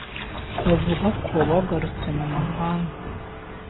bavuze ko bagarutse mu muhanda